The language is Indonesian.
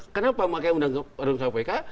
kenapa pakai undang undang kpk